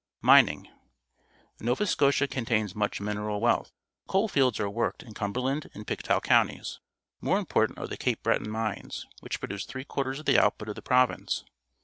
Mining. — Nova Scotia contains much min eral wealth. Coal fields are worked in Cum berland and Pictou counties. More important are t he Ca pe Breton mines, which produce three quarters of the output of the province.